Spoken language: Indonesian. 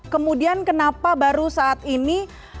kemudian kenapa baru saat ini